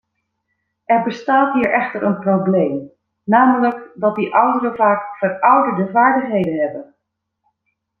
Er bestaat hier echter een probleem, namelijk dat die ouderen vaak verouderde vaardigheden hebben.